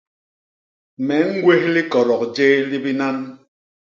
Me ñgwés likodok jéé li binan.